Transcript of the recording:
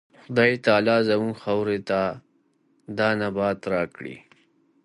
خدای تعالی زموږ خاورې ته دا نبات راکړی.